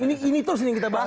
ini terus yang kita bahas